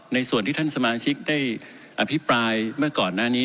ในส่วนที่ท่านสมาชิกได้อภิปรายเมื่อก่อนหน้านี้